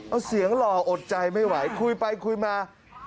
เอาเสียงหล่ออดใจไม่ไหวคุยไปคุยมา